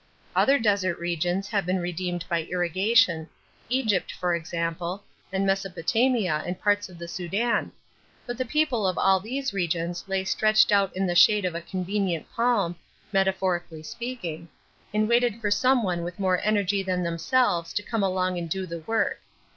"Other desert regions have been redeemed by irrigation Egypt, for example, and Mesopotamia and parts of the Sudan but the people of all those regions lay stretched out in the shade of a convenient palm, metaphorically speaking, and waited for some one with more energy than themselves to come along and do the work.